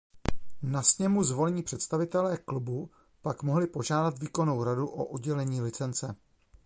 Na sněmu zvolení představitelé klubu pak mohli požádat výkonnou radu o udělení licence.